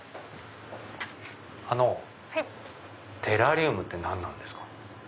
あのテラリウムって何ですか？